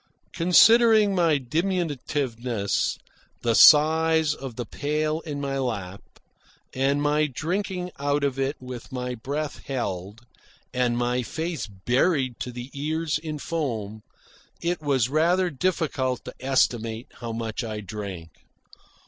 Considering my diminutiveness, the size of the pail in my lap, and my drinking out of it my breath held and my face buried to the ears in foam, it was rather difficult to estimate how much I drank.